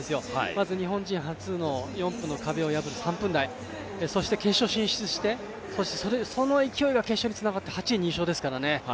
まず日本人初の４分の壁を破る３分台そして決勝進出して、その勢いが決勝につながって８位入賞ですからね